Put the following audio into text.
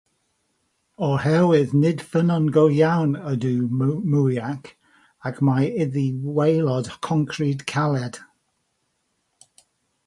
O'r herwydd nid ffynnon go iawn ydyw mwyach, ac mae iddi waelod concrid caled.